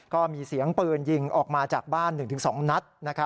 ก็มีเสียงปืนยิงออกมาจากบ้าน๑๒นัด